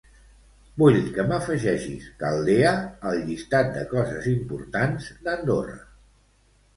Vull que m'afegeixis Caldea al llistat de coses importants d'Andorra.